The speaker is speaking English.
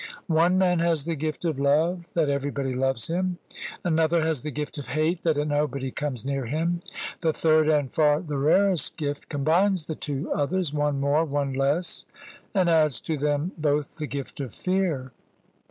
One man has the gift of love, that everybody loves him; another has the gift of hate, that nobody comes near him; the third, and far the rarest gift, combines the two others (one more, one less), and adds to them both the gift of fear.